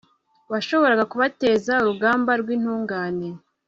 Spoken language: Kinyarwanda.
washoboraga kubateza urugamba rw'intungane